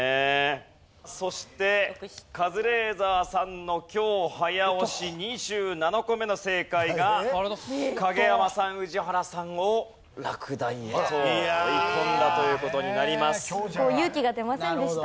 そしてカズレーザーさんの今日早押し２７個目の正解が影山さん宇治原さんを落第へと追い込んだという事になります。